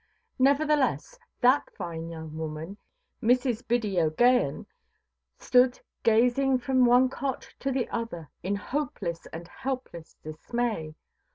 Nevertheless, that fine young woman, Mrs. Biddy OʼGaghan, stood gazing from one cot to the other, in hopeless and helpless dismay.